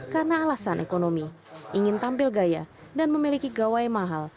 karena alasan ekonomi ingin tampil gaya dan memiliki gawai mahal